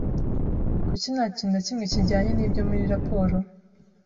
Kuki nta kintu na kimwe kijyanye nibyo muri raporo?